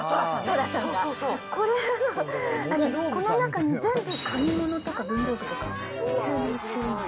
これ、この中に全部紙物とか文房具とかを収納してるんです。